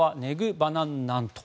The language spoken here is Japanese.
・バナン・ナン。